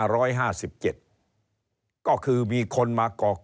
เริ่มตั้งแต่หาเสียงสมัครลง